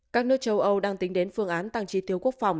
các nước châu âu đang tính đến phương án tăng tri tiêu quốc phòng